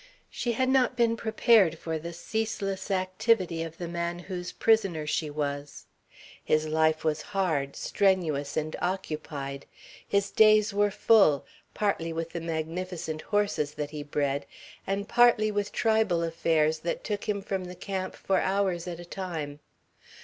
She had not been prepared for the ceaseless activity of the man whose prisoner she was. His life was hard, strenuous and occupied. His days were full, partly with the magnificent horses that he bred, and partly with tribal affairs that took him from the camp for hours at a time.